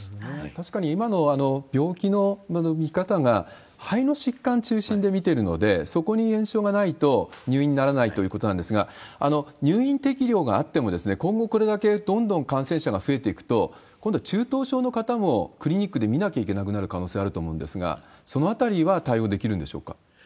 確かに、今の病気の見方が、肺の疾患中心に診てるので、そこに炎症がないと入院にならないということなんですが、入院適用があっても、今後これだけどんどん感染者が増えていくと、今度は中等症の方もクリニックで診なきゃいけない可能性あると思うんですが、そのあたりは対応できるんでしょうか？